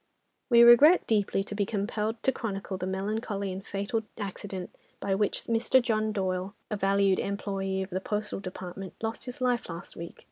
"We regret deeply to be compelled to chronicle the melancholy and fatal accident by which Mr. John Doyle, a valued employé of the Postal Department, lost his life last week.